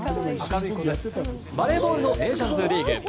バレーボールのネーションズリーグ。